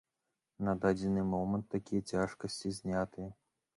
На дадзены момант такія цяжкасці знятыя.